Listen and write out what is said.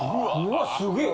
うわすげえ！